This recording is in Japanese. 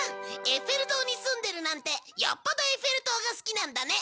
エッフェル塔に住んでるなんてよっぽどエッフェル塔が好きなんだね。